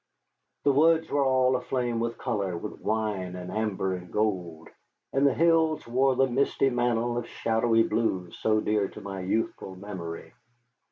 The woods were all aflame with color, with wine and amber and gold, and the hills wore the misty mantle of shadowy blue so dear to my youthful memory.